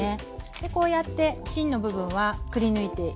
こうやって芯の部分はくり抜いています。